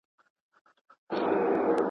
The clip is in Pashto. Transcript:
احمد یو کاغذباد جوړ کړی چي ښه البوځي.